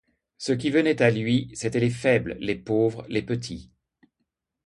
Ce qui venait à lui, c’étaient les faibles, les pauvres, les petits.